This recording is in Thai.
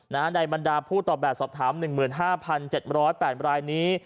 ในบรรดาผู้ตอบแบบสอบถาม๑๕๗๐๘รายนี้